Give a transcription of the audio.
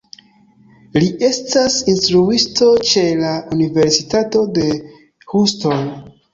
Li estas instruisto ĉe la Universitato de Houston.